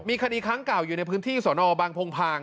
มีคณีค้างกล่าวอยู่ในพื้นที่สนบังพงภาง